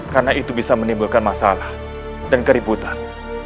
karena itu bisa menimbulkan masalah dan keributan